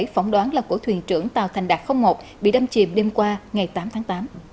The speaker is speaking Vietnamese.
phỏng đoán là của thuyền trưởng tàu thành đạt một bị đâm chìm đêm qua ngày tám tháng tám